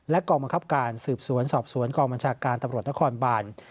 กองบังคับการสืบสวนสอบสวนกองบัญชาการตำรวจนครบาน